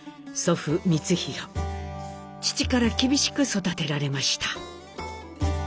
父から厳しく育てられました。